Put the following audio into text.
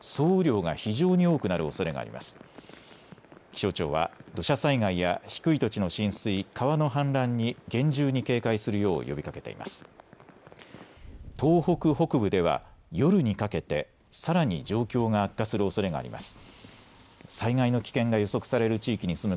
気象庁は土砂災害や低い土地の浸水、川の氾濫に厳重に警戒するよう呼びかけています。